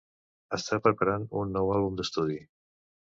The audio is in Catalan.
Està preparant un nou àlbum d'estudi.